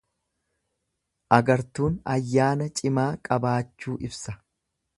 Agartuun ayyaana cimaa qabaachuu ibsa.